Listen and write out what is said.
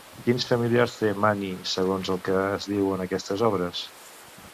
Quins familiars té Máni segons el que es diu en aquestes obres?